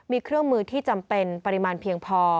มีเครื่องมือที่จำเป็นปริมาณเพียงพอ